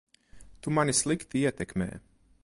Tu mani slikti ietekmē.